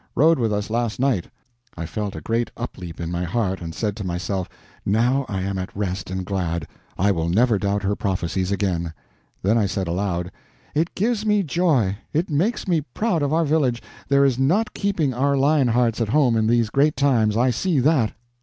Rode with us last night." I felt a great upleap in my heart, and said to myself, now I am at rest and glad; I will never doubt her prophecies again. Then I said aloud: "It gives me joy. It makes me proud of our village. There is not keeping our lion hearts at home in these great times, I see that."